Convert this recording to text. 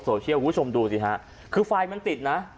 สวท์เชียลคุณผู้ชมดูสิฮะคือไฟมันติดน่ะ